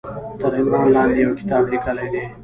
تر عنوان لاندې يو کتاب ليکلی دی